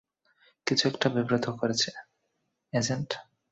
কিছু একটা বিব্রত করছে, এজেন্ট?